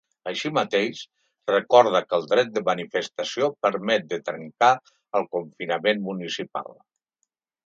Així mateix, recorda que “el dret de manifestació permet de trencar el confinament municipal”.